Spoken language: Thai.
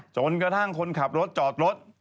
จนกระทั่งคนขับรถจอดรถ